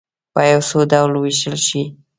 په څو ډلو وویشل شئ.